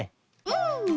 うん！